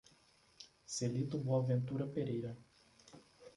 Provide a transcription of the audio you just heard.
Celito Boaventura Pereira